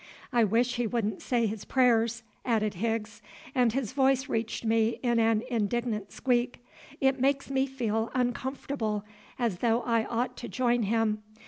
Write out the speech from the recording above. I wish he wouldn't say his prayers," added Higgs, and his voice reached me in an indignant squeak; "it makes me feel uncomfortable, as though I ought to join him.